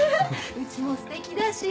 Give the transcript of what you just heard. うちもすてきだし。